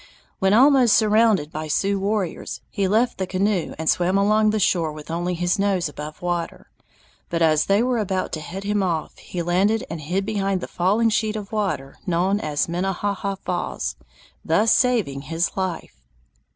When almost surrounded by Sioux warriors, he left the canoe and swam along the shore with only his nose above water, but as they were about to head him off he landed and hid behind the falling sheet of water known as Minnehaha Falls, thus saving his life.